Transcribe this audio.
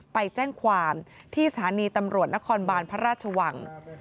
ไปแจ้งความที่สถานีตำรวจนครบานพระราชวัง